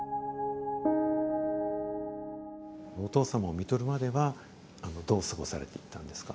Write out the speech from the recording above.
お父様をみとるまではどう過ごされていったんですか？